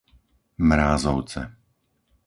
Mrázovce